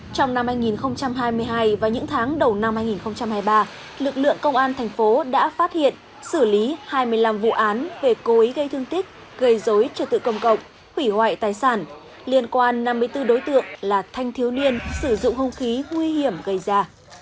trong năm hai nghìn hai mươi hai và những tháng đầu năm hai nghìn hai mươi ba lực lượng công an thành phố đã phát hiện xử lý hai mươi năm vụ án về cố ý gây thương tích gây dối trật tự công cộng hủy hoại tài sản liên quan năm mươi bốn đối tượng là thanh thiếu niên sử dụng hông khí nguy hiểm gây ra